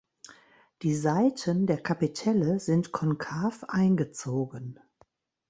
Die Seiten der Kapitelle sind konkav eingezogen.